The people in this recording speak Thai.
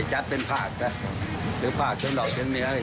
อยากให้รัฐบาลรับบบแรงจากติดที่ถึงพี่นะครับ